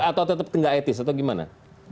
atau tetep gak etis atau gimana